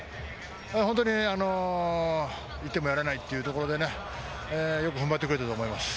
本当に１点もやらないというところで、踏ん張ってくれたと思います。